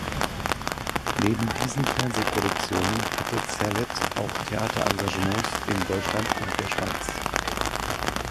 Neben diesen Fernsehproduktionen hatte Zerlett auch Theaterengagements in Deutschland und der Schweiz.